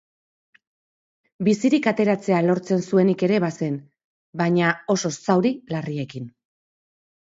Bizirik ateratzea lortzen zuenik ere bazen, baina oso zauri larriekin.